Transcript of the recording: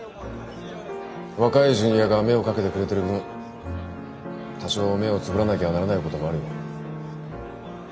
若いジュニアが目をかけてくれてる分多少目をつぶらなきゃならないこともあるよ。